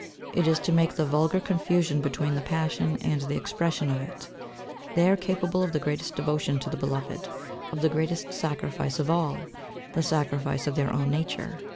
It is to make the vulgar confusion between the passion and the expression of it. They are capable of the greatest devotion to the beloved, of the greatest sacrifice of all the sacrifice of their own nature.